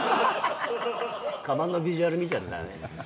かばんのビジュアル見ちゃったらね。